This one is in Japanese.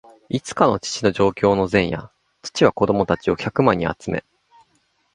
いつかの父の上京の前夜、父は子供たちを客間に集め、